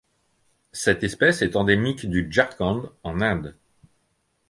Cette espèce est endémique du Jharkhand en Inde.